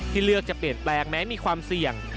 เลือกจะเปลี่ยนแปลงแม้มีความเสี่ยง